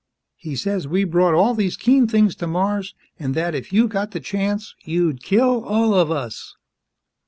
He says, we brought all these keen things to Mars, an' that if you got th' chance, you'd kill all of us!"